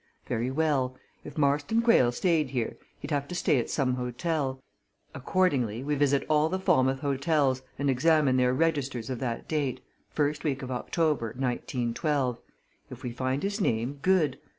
Very well if Marston Greyle stayed here, he'd have to stay at some hotel. Accordingly, we visit all the Falmouth hotels and examine their registers of that date first week of October, 1912. If we find his name good!